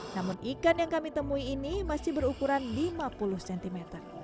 namun ikan yang kami temui ini masih berukuran lima puluh cm